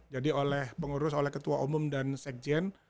jadi oleh pengurus oleh ketua umum dan sekjen